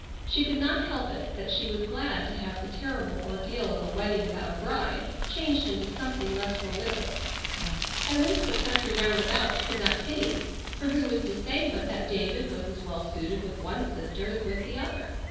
She could not help it that she was glad to have the terrible ordeal of a wedding without a bride changed into something less formidable. At least the country round about could not pity, for who was to say but that David was as well suited with one sister as with the other?